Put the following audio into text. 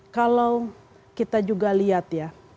kalau kita juga lihat